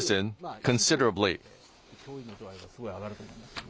脅威の度合いはすごい上がると思いますよね。